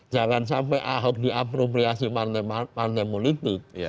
jangan sampai ahok diapropriasi partai politik